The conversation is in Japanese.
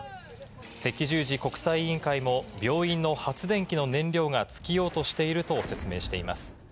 赤十字国際委員会も病院の発電機の燃料が尽きようとしていると説明しています。